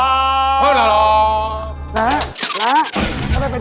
ได้เป็นดาราของคนขับรม